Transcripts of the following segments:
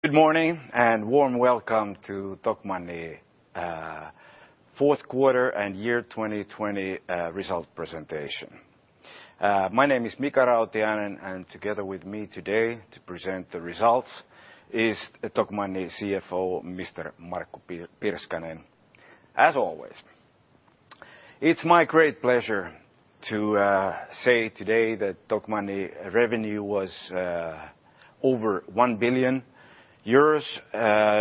Good morning and warm welcome to Tokmanni fourth quarter and year 2020 result presentation. My name is Mika Rautiainen, and together with me today to present the results is Tokmanni CFO, Mr. Markku Pirskanen. As always, it's my great pleasure to say today that Tokmanni revenue was over 1 billion euros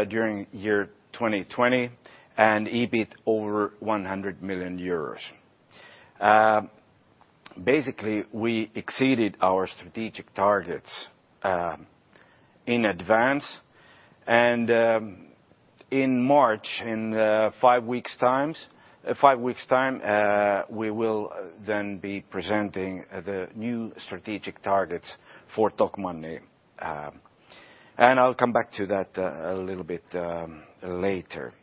during year 2020, and EBIT over 100 million euros. Basically, we exceeded our strategic targets in advance. In March, in five weeks time, we will then be presenting the new strategic targets for Tokmanni. I'll come back to that a little bit later.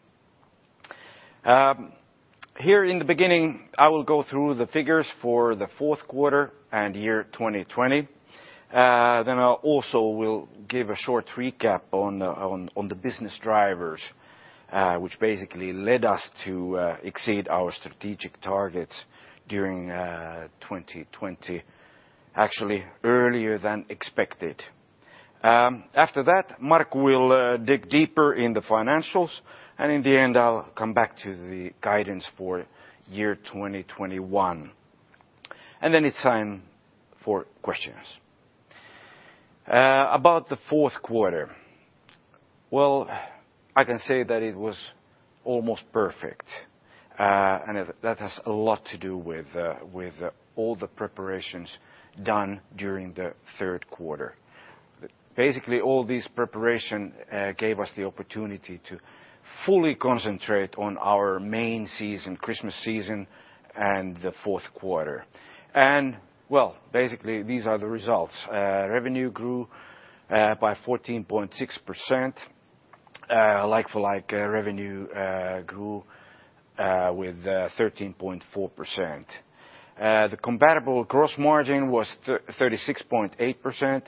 Here in the beginning, I will go through the figures for the fourth quarter and year 2020. I also will give a short recap on the business drivers, which basically led us to exceed our strategic targets during 2020, actually earlier than expected. After that, Markku will dig deeper in the financials, and in the end, I'll come back to the guidance for year 2021. Then it's time for questions. About the fourth quarter, well, I can say that it was almost perfect. That has a lot to do with all the preparations done during the third quarter. Basically, all these preparations gave us the opportunity to fully concentrate on our main season, Christmas season, and the fourth quarter. Well, basically, these are the results. Revenue grew by 14.6%. Like-for-like revenue grew with 13.4%. The comparable gross margin was 36.8%,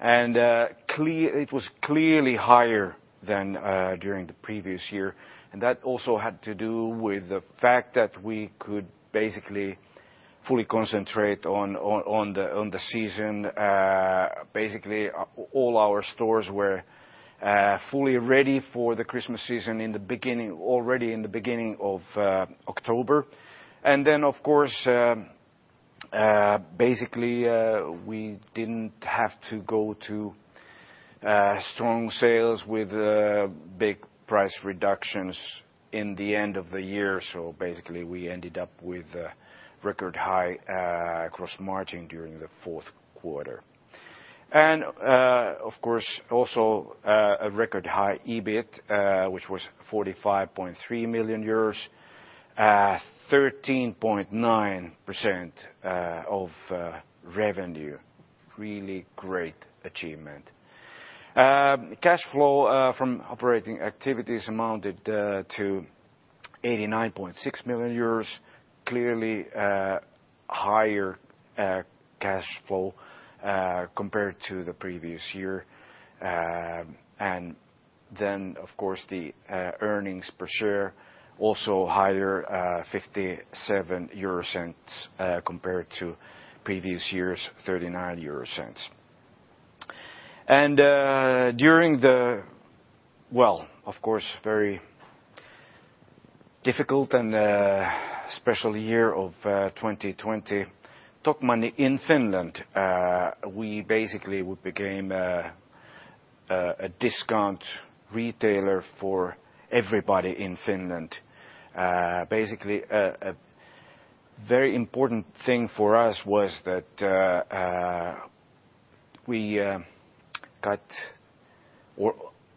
and it was clearly higher than during the previous year. That also had to do with the fact that we could basically fully concentrate on the season. Basically, all our stores were fully ready for the Christmas season already in the beginning of October. Of course, basically, we didn't have to go to strong sales with big price reductions in the end of the year, basically we ended up with a record high gross margin during the fourth quarter. Of course, also a record high EBIT, which was 45.3 million euros, 13.9% of revenue. Really great achievement. Cash flow from operating activities amounted to 89.6 million euros, clearly higher cash flow compared to the previous year. Of course, the earnings per share also higher, 0.57 compared to previous year's 0.39. During the, well, of course, very difficult and special year of 2020, Tokmanni in Finland we basically became a discount retailer for everybody in Finland. Basically, a very important thing for us was that we got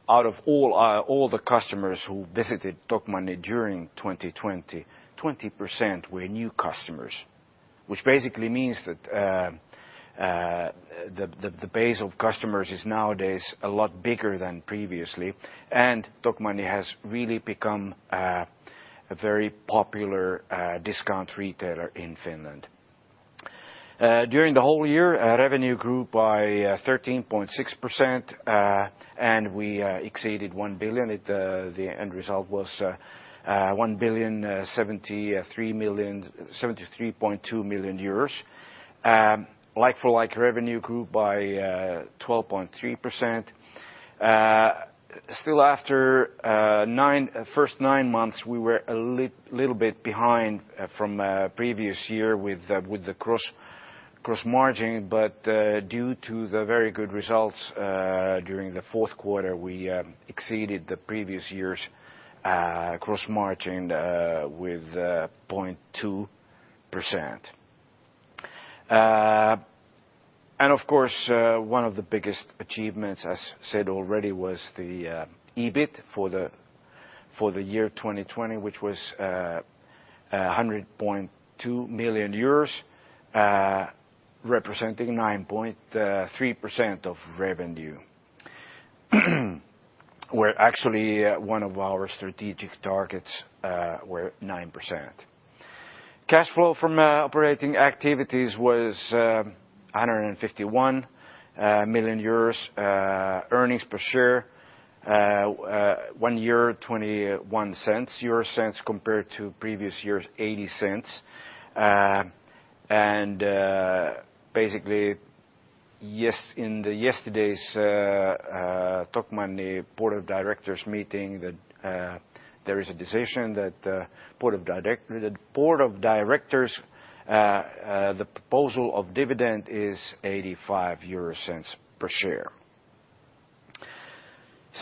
out of all the customers who visited Tokmanni during 2020, 20% were new customers, which basically means that the base of customers is nowadays a lot bigger than previously, and Tokmanni has really become a very popular discount retailer in Finland. During the whole year, our revenue grew by 13.6%, and we exceeded 1 billion. The end result was 1,073.2 million. like-for-like revenue grew by 12.3%. Still after first nine months, we were a little bit behind from previous year with the gross margin. Due to the very good results during the fourth quarter, we exceeded the previous year's gross margin with 0.2%. One of the biggest achievements, as said already, was the EBIT for the year 2020, which was 100.2 million euros representing 9.3% of revenue, where actually one of our strategic targets were 9%. Cash flow from operating activities was 151 million euros. Earnings per share, 1.21 compared to previous year's 0.80. In yesterday's Tokmanni board of directors meeting, there is a decision that the board of directors, the proposal of dividend is 0.85 per share.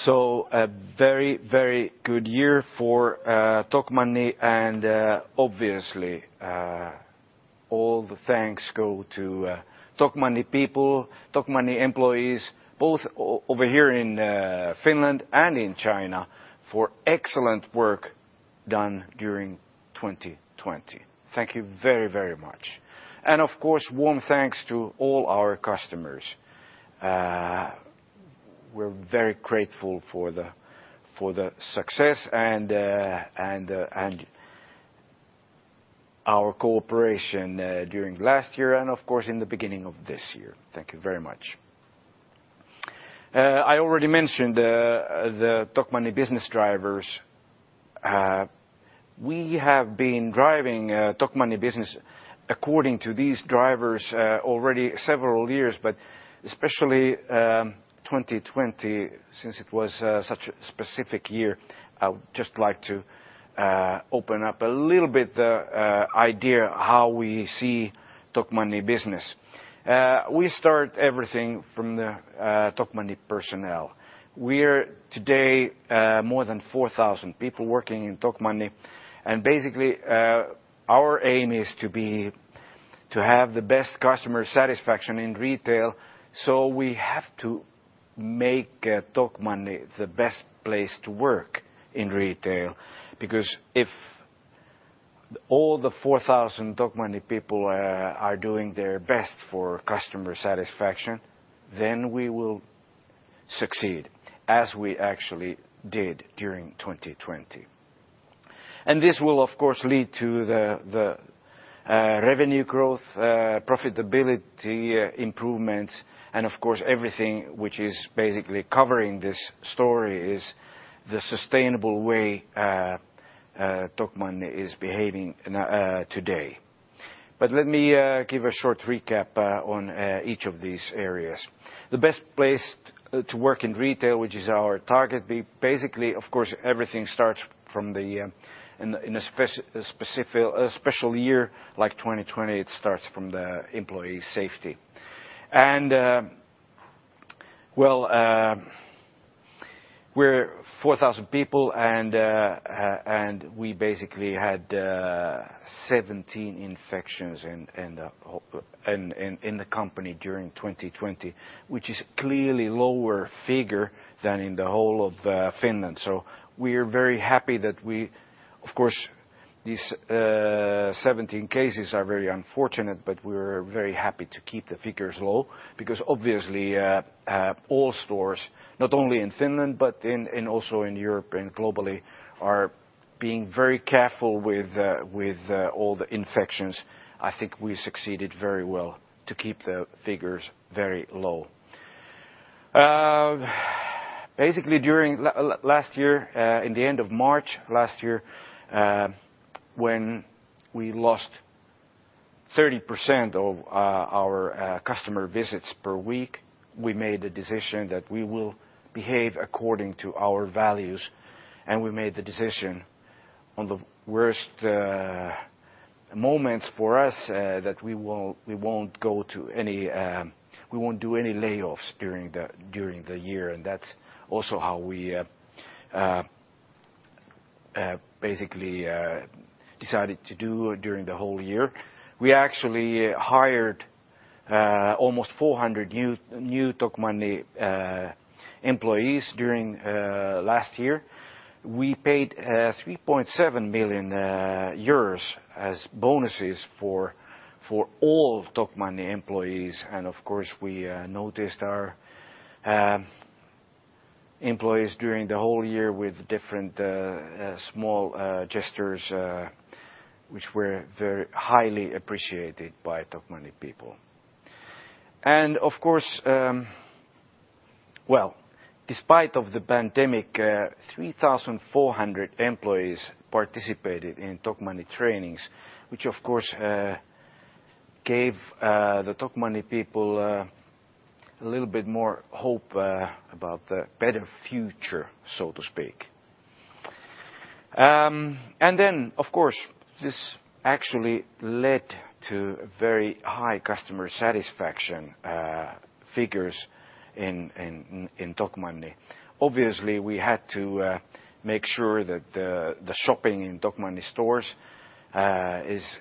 A very good year for Tokmanni and obviously all the thanks go to Tokmanni people, Tokmanni employees, both over here in Finland and in China for excellent work done during 2020. Thank you very much. Warm thanks to all our customers. We're very grateful for the success and our cooperation during last year and of course in the beginning of this year. Thank you very much. I already mentioned the Tokmanni business drivers. We have been driving Tokmanni business according to these drivers already several years, but especially 2020 since it was such a specific year. I would just like to open up a little bit the idea how we see Tokmanni business. We start everything from the Tokmanni personnel. We're today more than 4,000 people working in Tokmanni. Basically our aim is to have the best customer satisfaction in retail. We have to make Tokmanni the best place to work in retail because if all the 4,000 Tokmanni people are doing their best for customer satisfaction, we will succeed as we actually did during 2020. This will of course lead to the revenue growth, profitability improvements, and of course everything which is basically covering this story is the sustainable way Tokmanni is behaving today. Let me give a short recap on each of these areas. The best place to work in retail which is our target, basically, of course everything starts in a special year like 2020, it starts from the employee safety. Well, we're 4,000 people and we basically had 17 infections in the company during 2020, which is clearly lower figure than in the whole of Finland. We are very happy that we, of course, these 17 cases are very unfortunate, but we're very happy to keep the figures low because obviously all stores, not only in Finland, but in also in Europe and globally, are being very careful with all the infections. I think we succeeded very well to keep the figures very low. Basically during last year, in the end of March last year when we lost 30% of our customer visits per week, we made a decision that we will behave according to our values. We made the decision on the worst moments for us that we won't do any layoffs during the year. That's also how we basically decided to do during the whole year. We actually hired almost 400 new Tokmanni employees during last year. We paid 3.7 million euros as bonuses for all Tokmanni employees. Of course we noticed our employees during the whole year with different small gestures which were very highly appreciated by Tokmanni people. Of course, well, despite of the pandemic 3,400 employees participated in Tokmanni trainings, which of course gave the Tokmanni people a little bit more hope about the better future, so to speak. Of course, this actually led to very high customer satisfaction figures in Tokmanni. Obviously, we had to make sure that the shopping in Tokmanni stores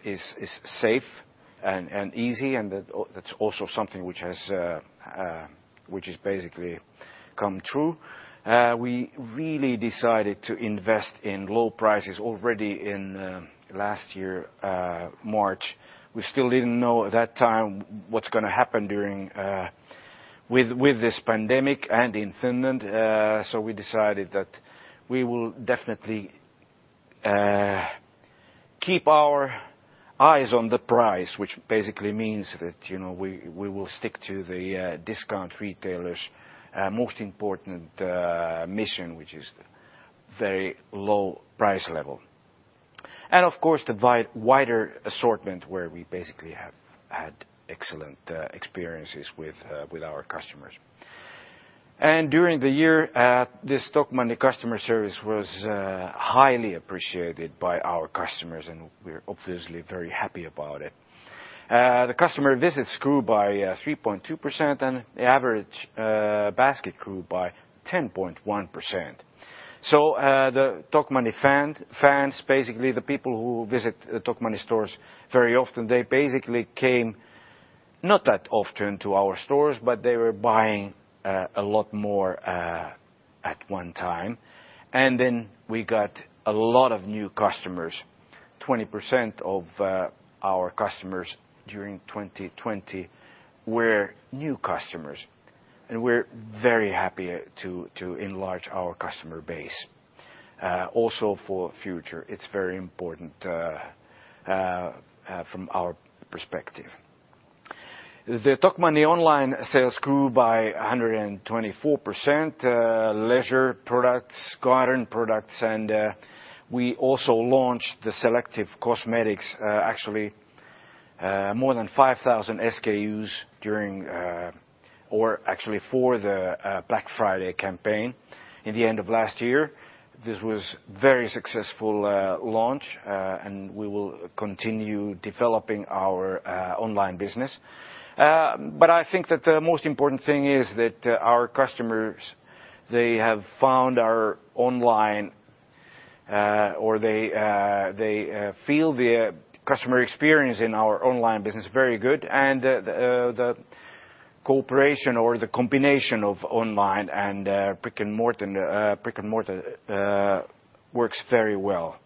is safe and easy and that's also something which has basically come true. We really decided to invest in low prices already in last year March. We still didn't know at that time what's going to happen during this pandemic and in Finland, so we decided that we will definitely keep our eyes on the prize, which basically means that we will stick to the discount retailers' most important mission, which is very low price level. Of course, the wider assortment, where we basically have had excellent experiences with our customers. During the year at this Tokmanni customer service was highly appreciated by our customers, and we're obviously very happy about it. The customer visits grew by 3.2%, and the average basket grew by 10.1%. The Tokmanni fans, basically the people who visit Tokmanni stores very often, they basically came not that often to our stores, but they were buying a lot more at one time. We got a lot of new customers. 20% of our customers during 2020 were new customers. We're very happy to enlarge our customer base. Also for future it's very important from our perspective. The Tokmanni online sales grew by 124%. Leisure products, garden products, and we also launched the selective cosmetics. Actually, more than 5,000 SKUs during or actually for the Black Friday campaign in the end of last year. This was very successful launch, and we will continue developing our online business. I think that the most important thing is that our customers, they have found our online or they feel the customer experience in our online business very good and the cooperation or the combination of online and brick-and-mortar works very well.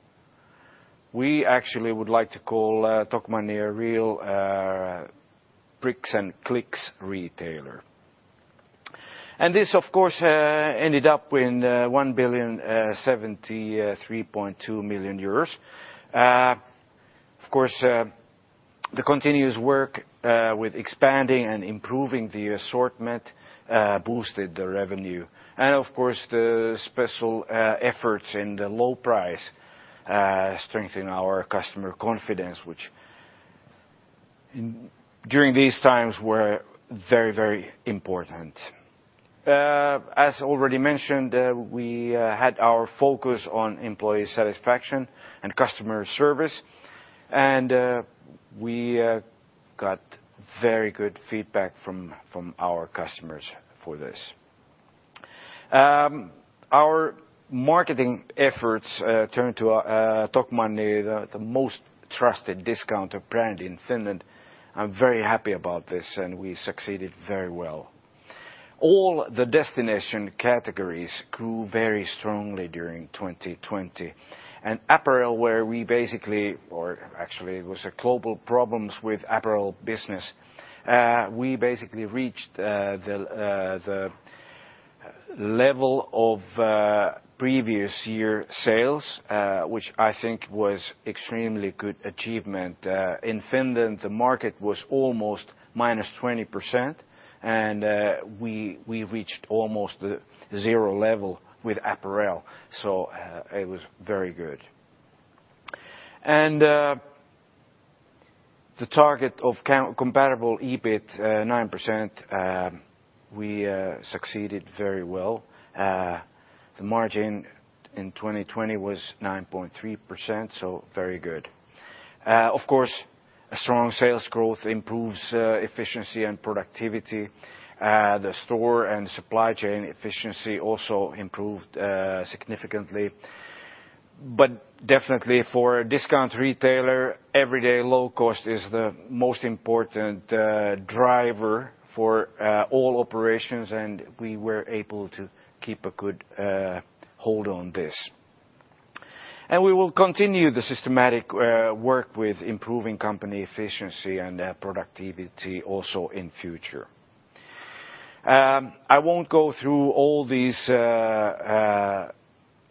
We actually would like to call Tokmanni a real bricks and clicks retailer. This, of course, ended up in 1,073.2 million euros. Of course, the continuous work with expanding and improving the assortment boosted the revenue. Of course, the special efforts in the low price strengthen our customer confidence, which during these times were very important. As already mentioned, we had our focus on employee satisfaction and customer service, and we got very good feedback from our customers for this. Our marketing efforts turned Tokmanni the most trusted discounter brand in Finland. I'm very happy about this, and we succeeded very well. All the destination categories grew very strongly during 2020. Apparel, where actually it was a global problem with apparel business, we basically reached the level of previous year sales, which I think was extremely good achievement. In Finland, the market was almost minus 20%. We reached almost the zero level with apparel. It was very good. The target of comparable EBIT 9%, we succeeded very well. The margin in 2020 was 9.3%. Very good. Of course, a strong sales growth improves efficiency and productivity. The store and supply chain efficiency also improved significantly. Definitely for a discount retailer, everyday low cost is the most important driver for all operations. We were able to keep a good hold on this. We will continue the systematic work with improving company efficiency and productivity also in future. I won't go through all these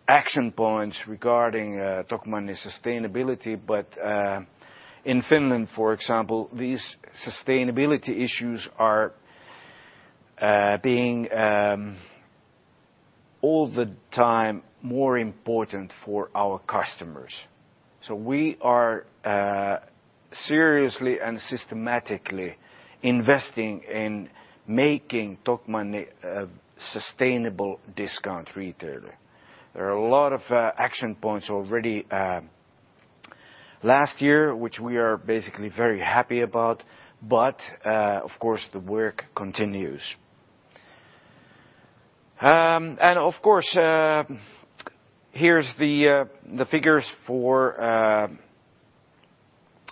action points regarding Tokmanni sustainability. In Finland, for example, these sustainability issues are being all the time more important for our customers. We are seriously and systematically investing in making Tokmanni a sustainable discount retailer. There are a lot of action points already last year, which we are basically very happy about, but of course, the work continues. Of course, here's the figures for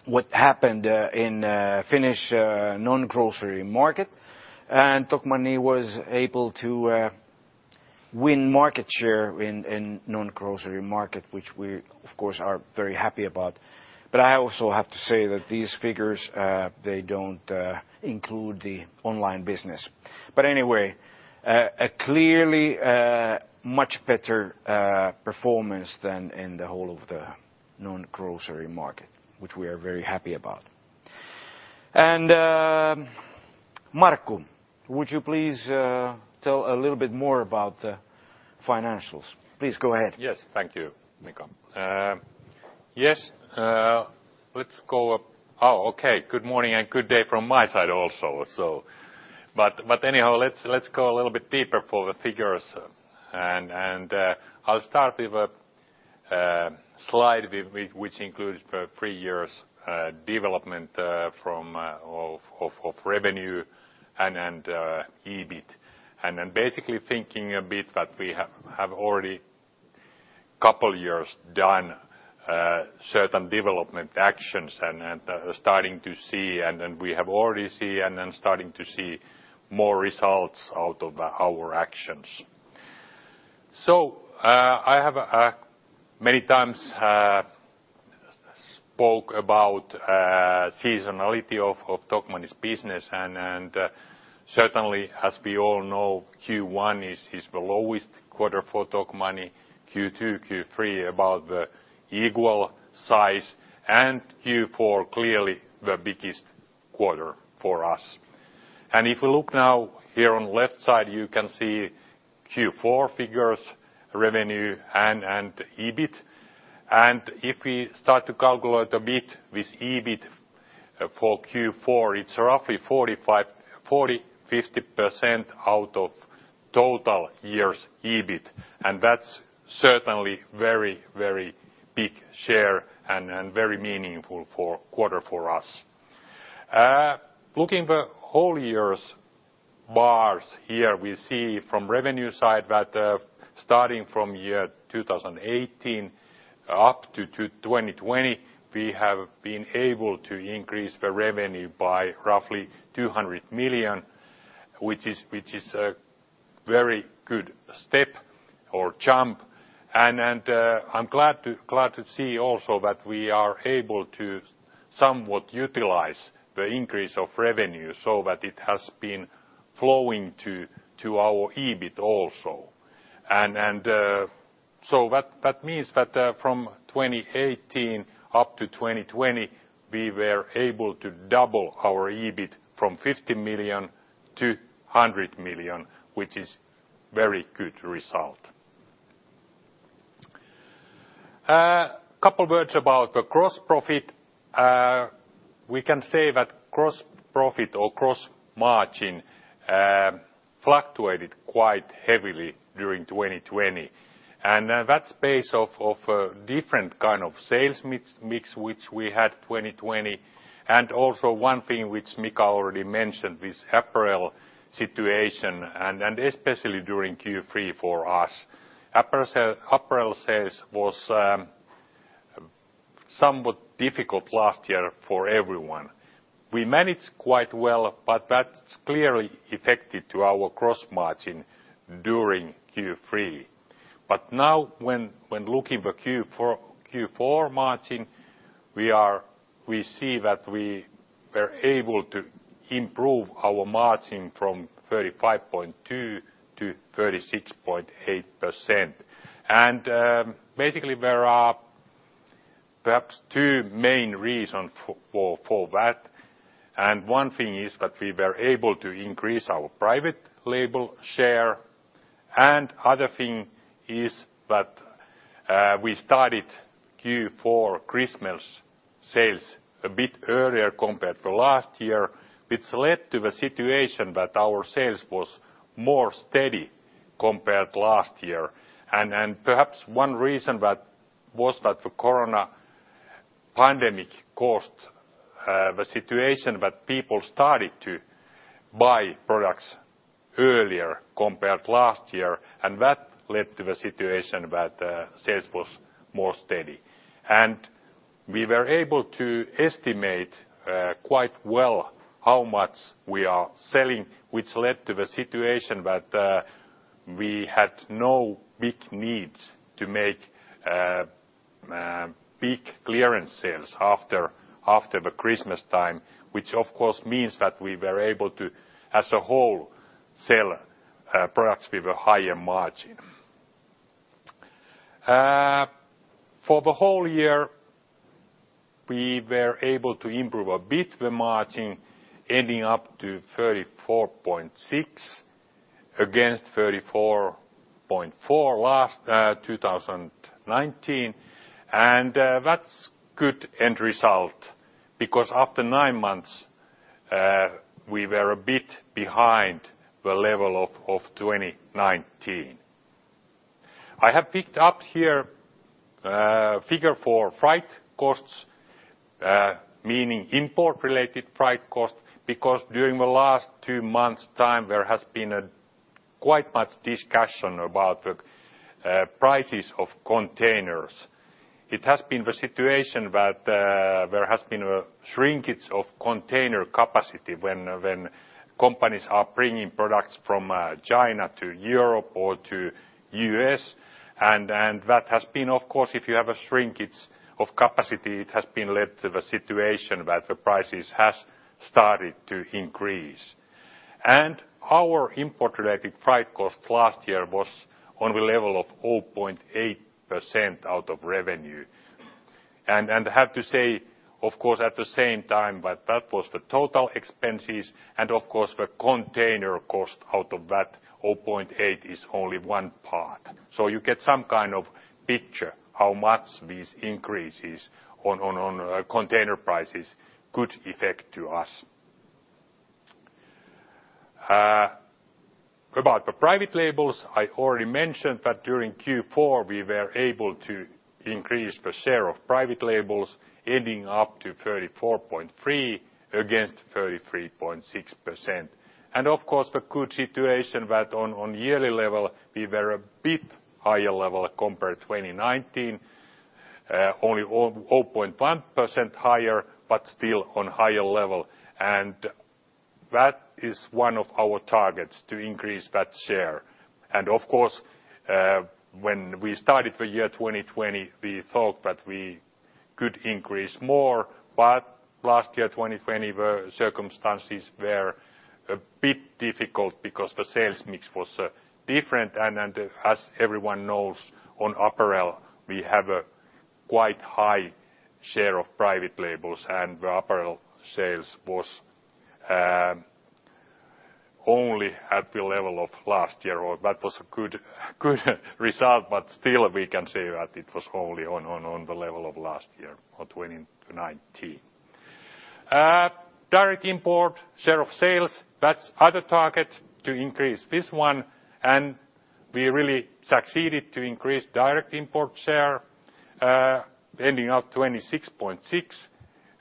what happened in Finnish non-grocery market. Tokmanni was able to win market share in non-grocery market, which we, of course, are very happy about. I also have to say that these figures, they don't include the online business. Anyway, a clearly much better performance than in the whole of the non-grocery market, which we are very happy about. Markku, would you please tell a little bit more about the financials? Please, go ahead. Yes. Thank you, Mika. Good morning and good day from my side also. Let's go a little bit deeper for the figures. I'll start with a slide which includes the three years' development of revenue and EBIT. Basically thinking a bit that we have already couple years done certain development actions and we have already seen and then starting to see more results out of our actions. I have many times spoke about seasonality of Tokmanni's business. Certainly, as we all know, Q1 is the lowest quarter for Tokmanni, Q2, Q3 about the equal size, Q4 clearly the biggest quarter for us. If we look now here on left side, you can see Q4 figures, revenue and EBIT. If we start to calculate a bit with EBIT for Q4, it's roughly 40%-50% out of total year's EBIT, and that's certainly very, very big share and very meaningful quarter for us. Looking the whole year's bars here, we see from revenue side that starting from year 2018 up to 2020, we have been able to increase the revenue by roughly 200 million, which is a very good step or jump, and I'm glad to see also that we are able to somewhat utilize the increase of revenue so that it has been flowing to our EBIT also. That means that from 2018 up to 2020, we were able to double our EBIT from 50 million to 100 million, which is very good result. Couple words about the gross profit. We can say that gross profit or gross margin fluctuated quite heavily during 2020. That's base of different kind of sales mix which we had 2020, and also one thing which Mika already mentioned, this apparel situation, and especially during Q3 for us. Apparel sales was somewhat difficult last year for everyone. We managed quite well, but that's clearly affected to our gross margin during Q3. Now when looking the Q4 margin, we see that we were able to improve our margin from 35.2%-36.8%. Basically, there are perhaps two main reason for that. One thing is that we were able to increase our private label share. Other thing is that we started Q4 Christmas sales a bit earlier compared to last year, which led to the situation that our sales was more steady compared to last year. Perhaps one reason was that the corona pandemic caused the situation that people started to buy products earlier compared to last year, and that led to the situation that sales was more steady. We were able to estimate quite well how much we are selling, which led to the situation that we had no big needs to make big clearance sales after the Christmas time, which of course means that we were able to, as a whole, sell products with a higher margin. For the whole year, we were able to improve a bit the margin ending up to 34.6% against 34.4% 2019. That's good end result because after nine months, we were a bit behind the level of 2019. I have picked up here figure for freight costs, meaning import-related freight cost, because during the last two months' time, there has been quite much discussion about the prices of containers. It has been the situation that there has been a shrinkage of container capacity when companies are bringing products from China to Europe or to U.S. That has been, of course, if you have a shrinkage of capacity, it has led to the situation that the prices have started to increase. Our import-related freight cost last year was on the level of 0.8% out of revenue. I have to say, of course, at the same time that that was the total expenses, and of course, the container cost out of that 0.8% is only one part. You get some kind of picture how much these increases on container prices could affect us. About the private labels, I already mentioned that during Q4, we were able to increase the share of private labels ending up to 34.3% against 33.6%. The good situation that on yearly level we were a bit higher level compared 2019, only 0.1% higher, but still on higher level. That is one of our targets, to increase that share. When we started the year 2020, we thought that we could increase more. Last year, 2020, the circumstances were a bit difficult because the sales mix was different, and as everyone knows, on apparel, we have a quite high share of private labels, and the apparel sales was only at the level of last year. That was a good result, but still we can say that it was only on the level of last year or 2019. Direct import share of sales, that's other target, to increase this one, we really succeeded to increase direct import share, ending up 26.6%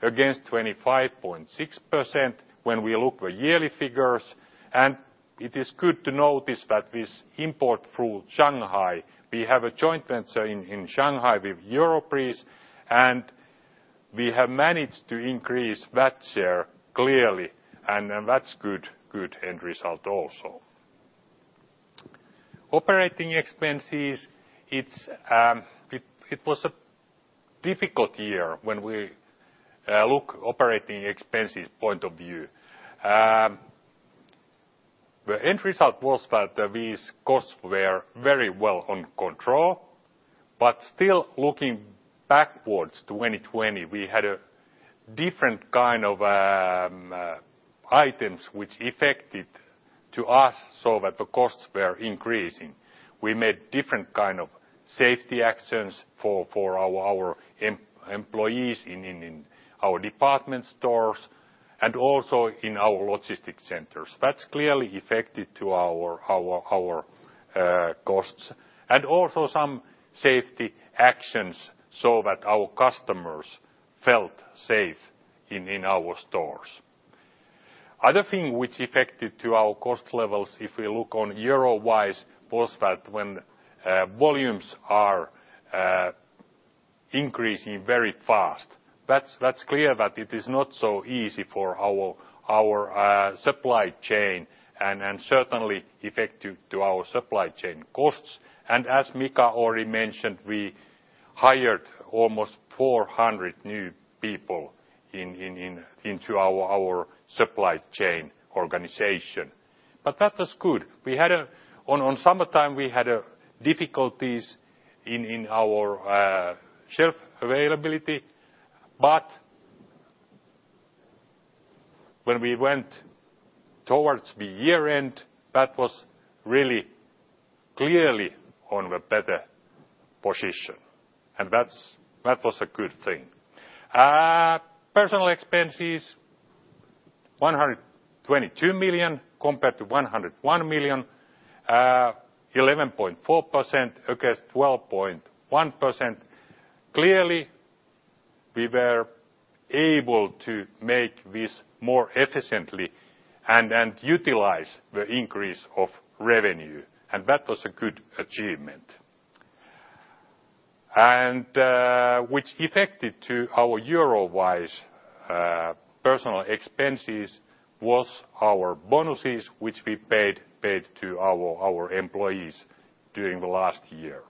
against 25.6% when we look at yearly figures. It is good to notice that this import through Shanghai, we have a joint venture in Shanghai with Europris, we have managed to increase that share clearly, that's good end result also. Operating expenses, it was a difficult year when we look operating expenses point of view. The end result was that these costs were very well on control, still looking backwards 2020, we had a different kind of items which affected to us so that the costs were increasing. We made different kind of safety actions for our employees in our department stores and also in our logistic centers. That clearly affected to our costs. Also some safety actions so that our customers felt safe in our stores. Other thing which affected to our cost levels, if we look on euro-wise was that when volumes are increasing very fast. That's clear that it is not so easy for our supply chain and certainly affected to our supply chain costs. As Mika already mentioned, we hired almost 400 new people into our supply chain organization. That was good. On summertime, we had difficulties in our shelf availability, but when we went towards the year-end, that was really clearly on the better position, and that was a good thing. Personnel expenses, 122 million compared to 101 million, 11.4% against 12.1%. Clearly, we were able to make this more efficiently and utilize the increase of revenue, and that was a good achievement. Which affected to our euro-wise personnel expenses was our bonuses, which we paid to our employees during the last year.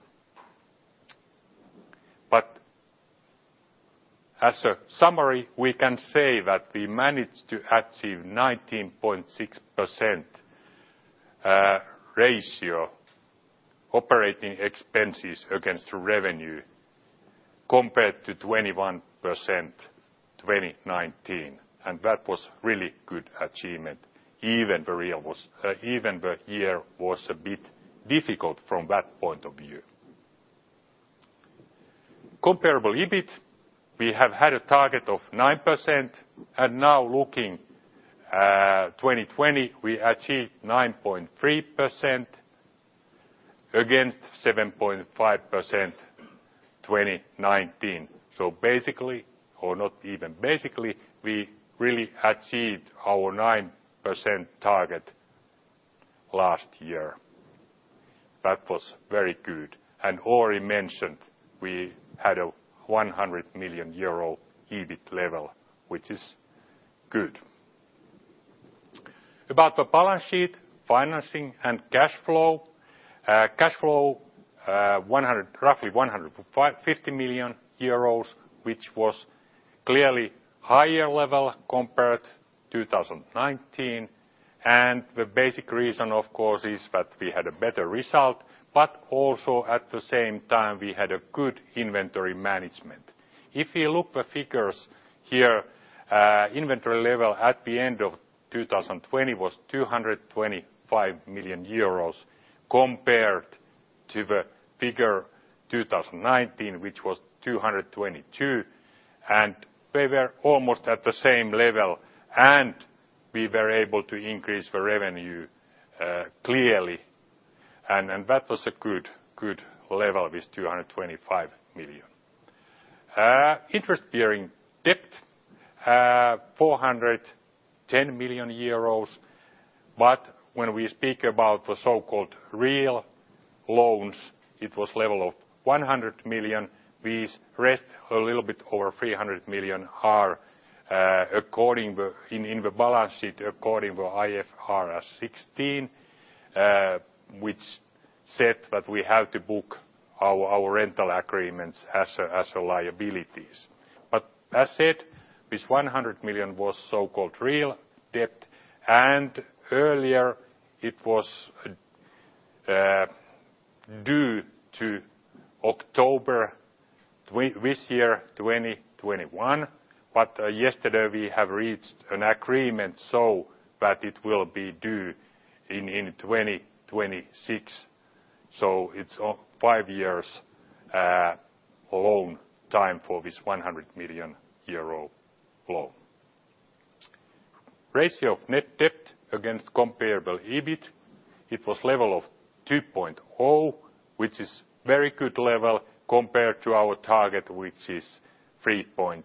As a summary, we can say that we managed to achieve 19.6% ratio operating expenses against revenue compared to 21% 2019. That was really good achievement even the year was a bit difficult from that point of view. Comparable EBIT, we have had a target of 9%, and now looking 2020, we achieved 9.3% against 7.5% 2019. Basically, or not even basically, we really achieved our 9% target. Last year, that was very good. Already mentioned we had a 100 million euro EBIT level, which is good. About the balance sheet, financing and cash flow. Cash flow, roughly 150 million euros, which was clearly higher level compared 2019. The basic reason, of course, is that we had a better result, but also at the same time, we had a good inventory management. If you look the figures here, inventory level at the end of 2020 was 225 million euros compared to the figure 2019, which was 222 million, and we were almost at the same level, and we were able to increase the revenue, clearly. That was a good level with 225 million. Interest-bearing debt, 410 million euros. When we speak about the so-called real loans, it was level of 100 million. With rest a little bit over 300 million are in the balance sheet according with IFRS 16, which said that we have to book our rental agreements as liabilities. As said, this 100 million was so-called real debt, and earlier it was due to October this year, 2021, but yesterday we have reached an agreement so that it will be due in 2026. It's five years loan time for this 100 million euro loan. Ratio of net debt against comparable EBIT, it was level of 2.0, which is very good level compared to our target, which is 3.2.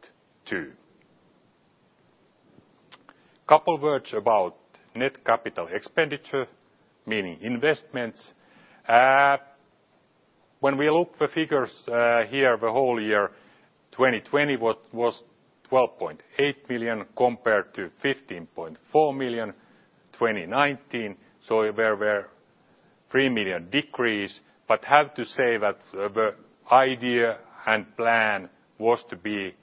Couple words about net capital expenditure, meaning investments. When we look the figures here, the whole year 2020 was 12.8 million compared to 15.4 million 2019. We were 3 million decrease, but have to say that the idea and plan was to be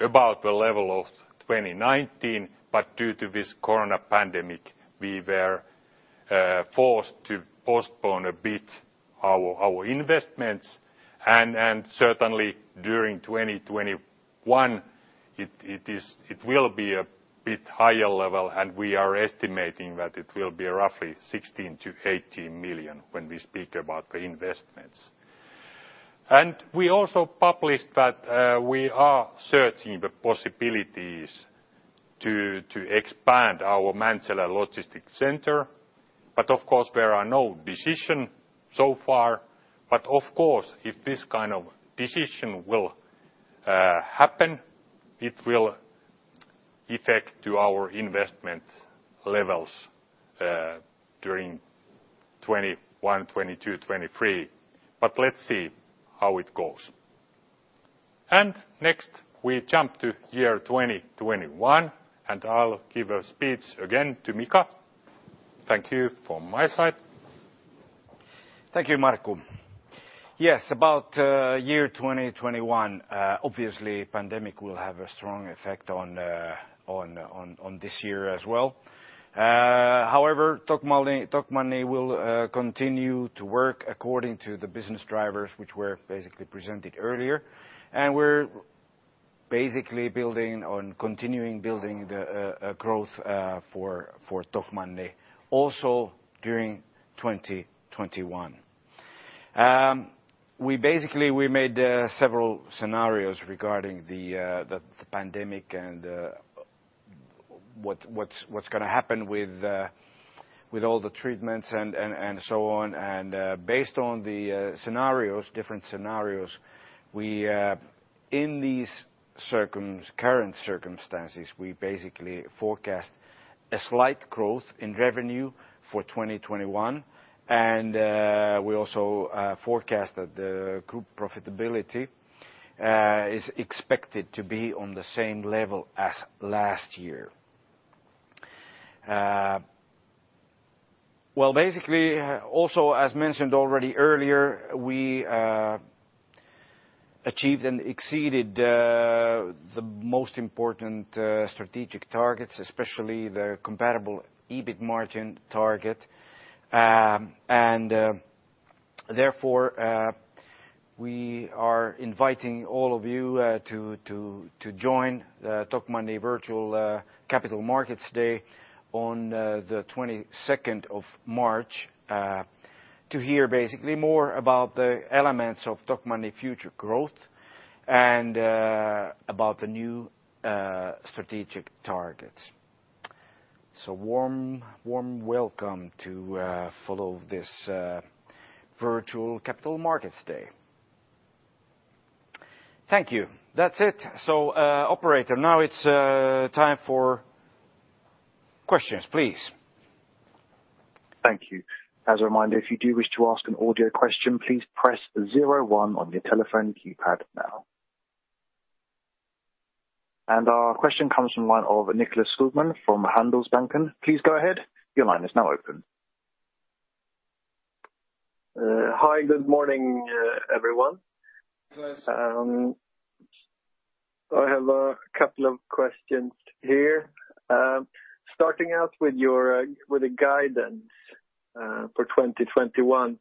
about the level of 2019, but due to this corona pandemic, we were forced to postpone a bit our investments. Certainly, during 2021, it will be a bit higher level, and we are estimating that it will be roughly 16 million-18 million when we speak about the investments. We also published that we are searching the possibilities to expand our Mäntsälä Logistics Center. Of course, there are no decision so far. Of course, if this kind of decision will happen, it will affect to our investment levels during 2021, 2022, 2023. Let's see how it goes. Next, we jump to year 2021, and I'll give a speech again to Mika. Thank you from my side. Thank you, Markku. Yes, about year 2021, obviously pandemic will have a strong effect on this year as well. However, Tokmanni will continue to work according to the business drivers which were basically presented earlier. We're basically continuing building the growth for Tokmanni also during 2021. Basically, we made several scenarios regarding the pandemic and what's going to happen with all the treatments and so on. Based on the different scenarios, in these current circumstances, we basically forecast a slight growth in revenue for 2021. We also forecast that the group profitability is expected to be on the same level as last year. Basically, also, as mentioned already earlier, we achieved and exceeded the most important strategic targets, especially the comparable EBIT margin target. Therefore, we are inviting all of you to join Tokmanni Virtual Capital Markets Day on the 22nd of March, to hear basically more about the elements of Tokmanni future growth and about the new strategic targets. Warm welcome to follow this Virtual Capital Markets Day. Thank you. That's it. Operator, now it's time for questions, please. Thank you. As a reminder, if you do wish to ask an audio question, please press zero one on your telephone keypad now. Our question comes from the line of Nicklas Skogman from Handelsbanken. Please go ahead. Your line is now open. Hi, good morning, everyone. Yes. I have a couple of questions here. Starting out with the guidance for 2021.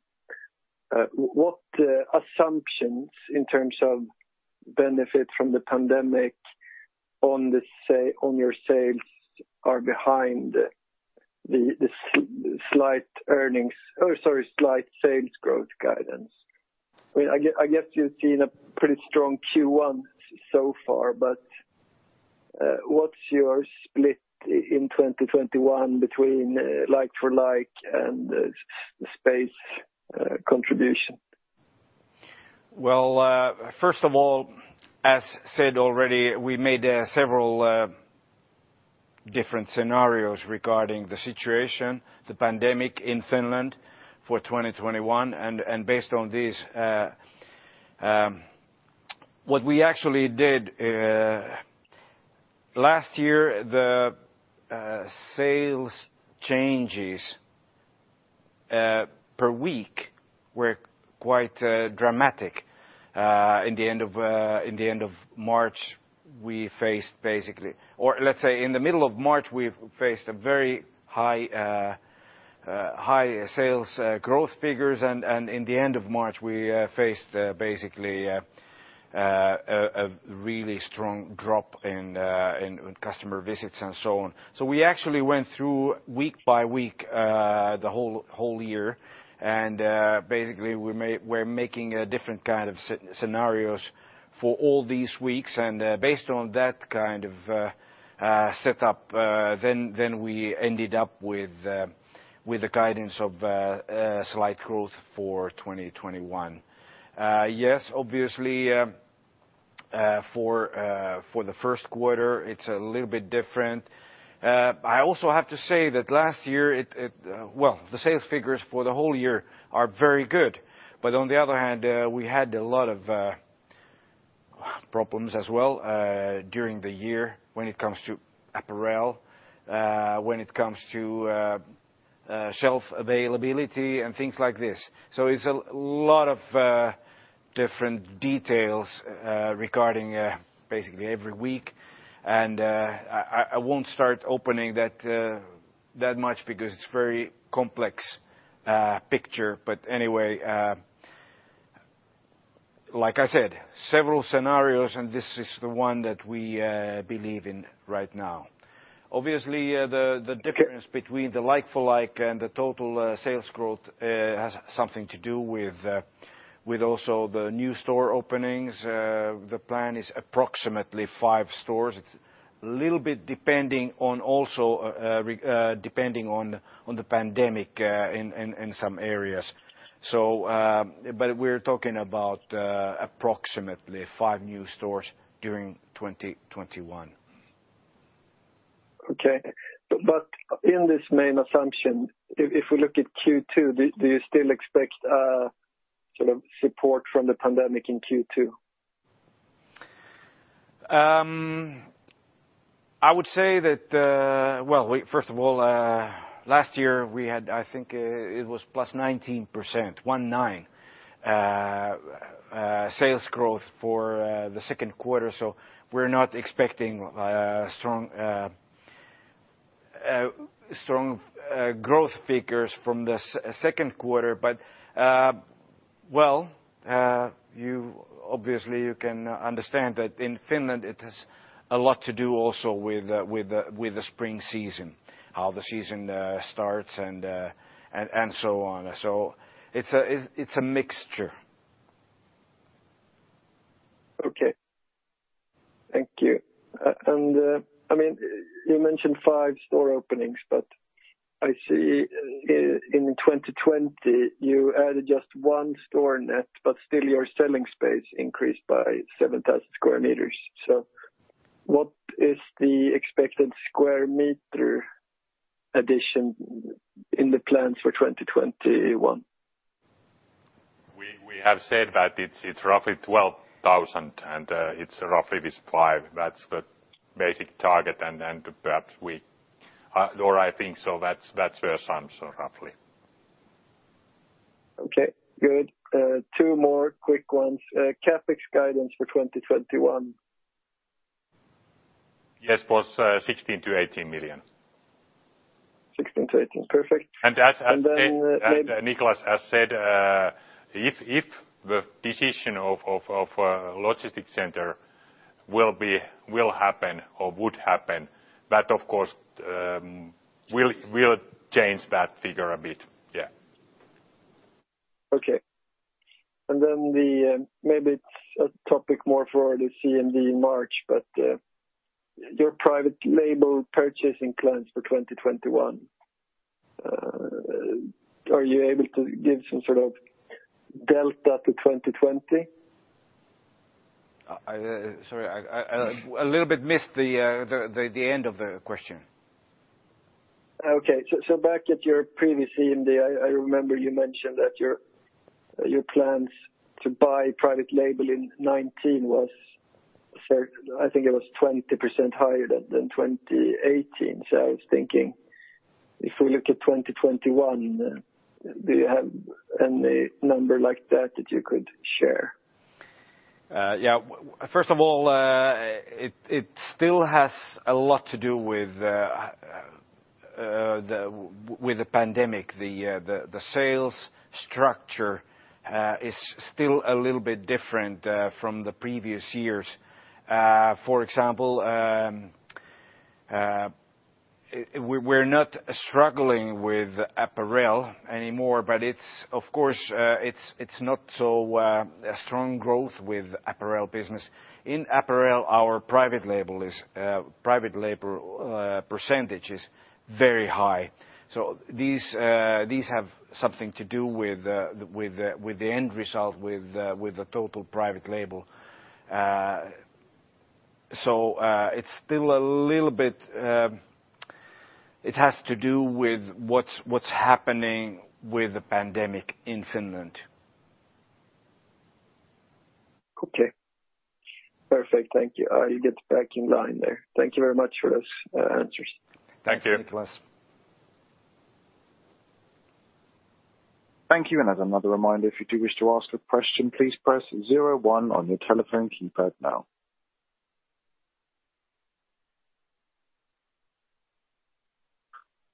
What assumptions in terms of benefit from the pandemic on your sales are behind the slight sales growth guidance? I guess you've seen a pretty strong Q1 so far. What's your split in 2021 between like-for-like and the space contribution? Well, first of all, as said already, we made several different scenarios regarding the situation, the pandemic in Finland for 2021 and based on this. What we actually did last year, the sales changes per week were quite dramatic. In the middle of March, we faced a very high sales growth figures. In the end of March, we faced basically a really strong drop in customer visits and so on. We actually went through week by week the whole year. Basically, we're making a different kind of scenarios for all these weeks. Based on that kind of setup then we ended up with the guidance of slight growth for 2021. Yes, obviously for the first quarter, it's a little bit different. I also have to say that last year, well, the sales figures for the whole year are very good. On the other hand, we had a lot of problems as well during the year when it comes to apparel, when it comes to shelf availability and things like this. It's a lot of different details regarding basically every week. I won't start opening that much because it's very complex picture. Anyway, like I said, several scenarios, and this is the one that we believe in right now. Obviously, the difference between the like-for-like and the total sales growth has something to do with also the new store openings. The plan is approximately five stores. It's a little bit depending on the pandemic in some areas. We're talking about approximately five new stores during 2021. Okay. In this main assumption, if we look at Q2, do you still expect support from the pandemic in Q2? I would say that Well, first of all last year we had, I think it was +19%, one nine sales growth for the second quarter. We're not expecting strong growth figures from the second quarter. Obviously you can understand that in Finland it has a lot to do also with the spring season, how the season starts and so on. It's a mixture. Okay. Thank you. You mentioned five store openings, but I see in 2020 you added just one store net, but still your selling space increased by 7,000 sq m. What is the expected sq m addition in the plans for 2021? We have said that it's roughly 12,000 sq m and it's roughly with five. That's the basic target. Perhaps I think so that's where some roughly. Okay, good. Two more quick ones. CapEx guidance for 2021. Yes. Was 16 million-18 million. 16-18. Perfect. As Mika has said if the decision of logistic center will happen or would happen, that of course will change that figure a bit. Yeah. Okay. Maybe it's a topic more for the CMD in March, but your private label purchasing plans for 2021. Are you able to give some sort of delta to 2020? Sorry, I little bit missed the end of the question. Okay. Back at your previous CMD, I remember you mentioned that your plans to buy private label in 2019 was, I think it was 20% higher than 2018. I was thinking, if we look at 2021, do you have any number like that that you could share? Yeah. First of all, it still has a lot to do with the pandemic. The sales structure is still a little bit different from the previous years. For example, we're not struggling with apparel anymore, of course, it's not so a strong growth with apparel business. In apparel, our private label % is very high. These have something to do with the end result, with the total private label. It's still a little bit. It has to do with what's happening with the pandemic in Finland. Okay. Perfect. Thank you. I get back in line there. Thank you very much for those answers. Thank you. Thanks, Nicklas. Thank you. As another reminder, if you do wish to ask a question, please press zero one on your telephone keypad now.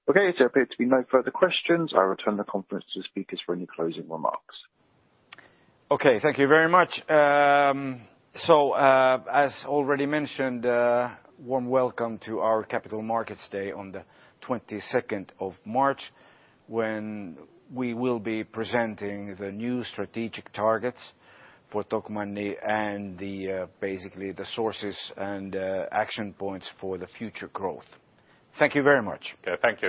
Okay, there appear to be no further questions. I return the conference to speakers for any closing remarks. Okay. Thank you very much. As already mentioned, warm welcome to our Capital Markets Day on the 22nd of March when we will be presenting the new strategic targets for Tokmanni and basically the sources and action points for the future growth. Thank you very much. Okay. Thank you